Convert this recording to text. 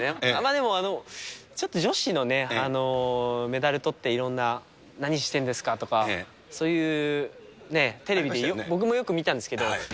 でも、ちょっと女子のメダルとっていろんな何してんですかとか、そういうね、テレビで僕もよく見たんですけど。